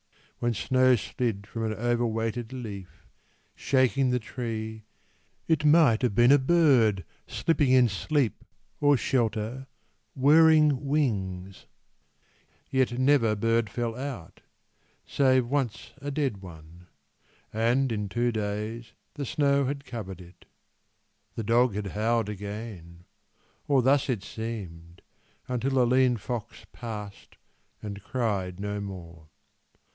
When snow slid from an overweighted leaf, Shaking the tree, it might have been a bird Slipping in sleep or shelter, whirring wings; Yet never bird fell out, save once a dead one And in two days the snow had covered it. The dog had howled again or thus it seemed Until a lean fox passed and cried no more.